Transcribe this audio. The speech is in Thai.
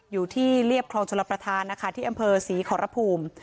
เรียบคลองชลประธานนะคะที่อำเภอศรีขอรภูมิ